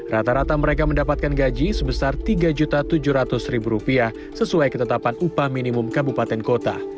rata rata mereka mendapatkan gaji sebesar rp tiga tujuh ratus sesuai ketetapan upah minimum kabupaten kota